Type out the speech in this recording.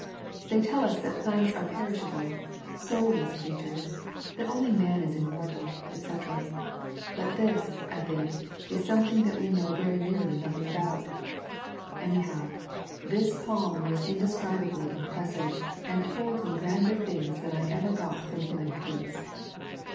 They tell us that plants are perishable, soulless creatures, that only man is immortal, etc.; but this, I think, is something that we know very nearly nothing about. Any how, this palm was indescribably impressive and told me grander things than I ever got from human priest.